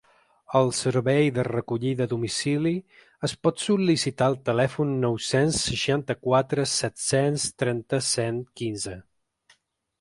El servei de recollida a domicili es pot sol·licitar al telèfon nou-cents seixanta-quatre set-cents trenta cent quinze.